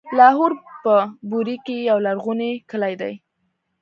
لاهور په بوري کې يو لرغونی کلی دی.